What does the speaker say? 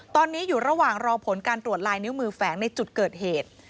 ตอนนี้อยู่ระหว่างรอผลการตรวจลายนิ้วมือแฝงในจุดเกิดเหตุ